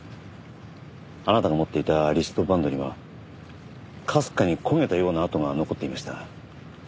あなたが持っていたリストバンドにはかすかに焦げたような跡が残っていました。